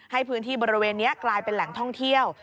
ให้พื้นที่บริเวณนี้กลายเป็นแหล่งท่องเที่ยว